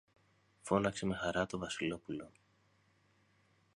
φώναξε με χαρά το Βασιλόπουλο.